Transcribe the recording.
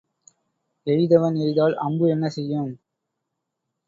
எய்தவன் எய்தால் அம்பு என்ன செய்யும்?